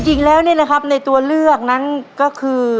จริงแล้วนี่นะครับในตัวเลือกนั้นก็คือ